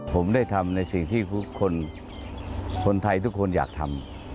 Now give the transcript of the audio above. ผมได้ทำในสิ่งที่คนไทยทุกคนอยากทำ